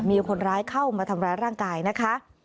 มีคนร้ายเข้ามาทำร้ายร่างกายนะคะ